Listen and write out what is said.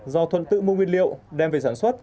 do thuận tự mua nguyên liệu đem về sản xuất